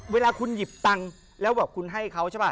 เวลาคุณหยิบตังค์แล้วบอกคุณให้เขาใช่ป่